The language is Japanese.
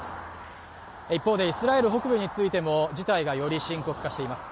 一方でイスラエル北部についても事態が深刻化しています。